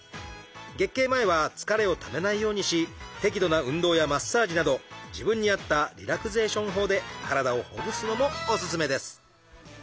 月経前は疲れをためないようにし適度な運動やマッサージなど自分に合ったリラクゼーション法で体をほぐすのもおすすめです！